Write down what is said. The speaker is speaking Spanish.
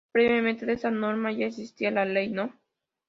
Previamente a esta norma ya existía la Ley No.